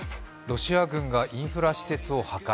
ロシア軍がインフラ施設を破壊。